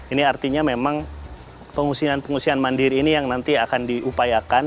ini artinya memang pengungsian pengungsian mandiri ini yang nanti akan diupayakan